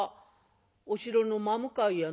「お城の真向かいやな。